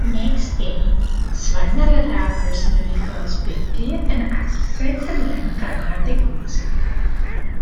Next day Swarnalatha personally calls pinky and asks her to learn Carnatic Music.